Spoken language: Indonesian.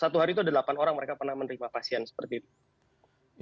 tapi itu ada delapan orang mereka pernah menerima pasien seperti ini